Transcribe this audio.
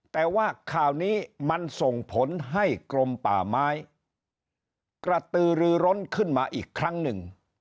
แต่ว่าข่าวนี้มันส่งผลให้กรมป่าไม้กระตือรือร้นขึ้นมาอีกครั้งหนึ่ง